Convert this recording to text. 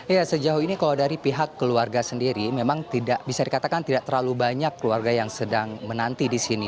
ya sejauh ini kalau dari pihak keluarga sendiri memang tidak bisa dikatakan tidak terlalu banyak keluarga yang sedang menanti di sini